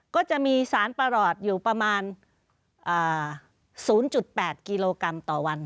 ก็จะมีสารประหลอดอยู่ประมาณ๐๘กิโลกรัมต่อวัน